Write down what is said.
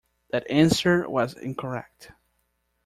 That answer was incorrect.